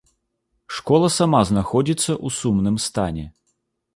Школа сама знаходзіцца ў сумным стане.